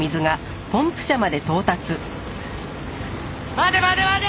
待て待て待て！